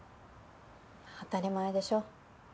当たり前でしょ。